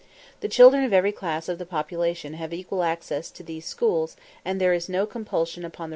The children of every class of the population have equal access to these schools, and there is no compulsion upon the religious faith of any.